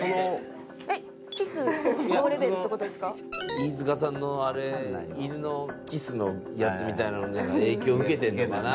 飯塚さんのあれいぬのキスのやつみたいなのをなんか影響受けてるのかな。